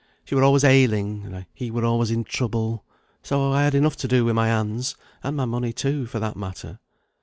She were always ailing, and he were always in trouble; so I had enough to do with my hands and my money too, for that matter.